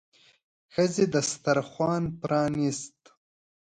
ښځې دسترخوان پرانيست.